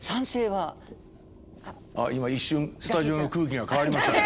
今一瞬スタジオの空気が変わりましたね。